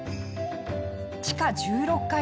地下１６階